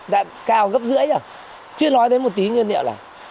đã cao gấp rưỡi rồi chưa nói đến một tí nguyên liệu là